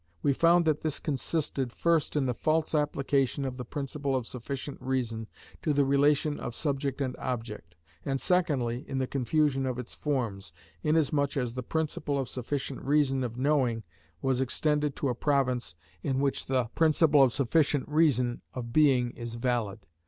We found that this consisted, first, in the false application of the principle of sufficient reason to the relation of subject and object; and secondly, in the confusion of its forms, inasmuch as the principle of sufficient reason of knowing was extended to a province in which the principle of sufficient reason of being is valid.